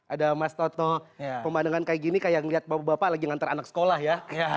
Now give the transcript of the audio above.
ada mas toto pemandangan kayak gini kayak ngeliat bapak bapak lagi ngantar anak sekolah ya